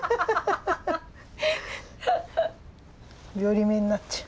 寄り目になっちゃう。